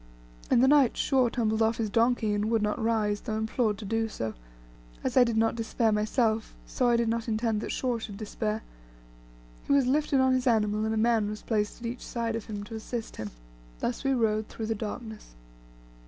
In the night Shaw tumbled off his donkey, and would not rise, though implored to do so. As I did not despair myself, so I did not intend that Shaw should despair. He was lifted on his animal, and a man was placed on each side of him to assist him; thus we rode through the darkness.